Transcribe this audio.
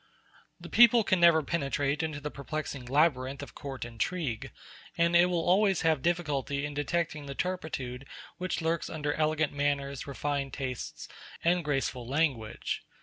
The people can never penetrate into the perplexing labyrinth of court intrigue, and it will always have difficulty in detecting the turpitude which lurks under elegant manners, refined tastes, and graceful language.